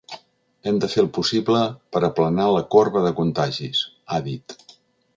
Hem de fer el possible per aplanar la corba de contagis, ha dit.